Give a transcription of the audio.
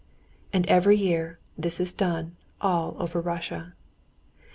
And every year this is done all over Russia.